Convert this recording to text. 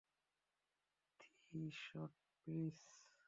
Three shot, please.